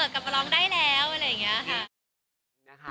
ขอบคุณทุกคนเลยนะคะ